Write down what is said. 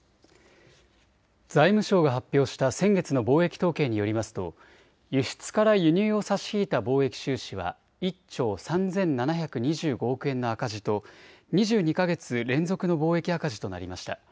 財務省が発表した先月の貿易統計によりますと輸出から輸入を差し引いた貿易収支は１兆３７２５億円の赤字と２２か月連続の貿易赤字となりました。